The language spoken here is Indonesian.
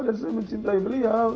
dan saya mencintai beliau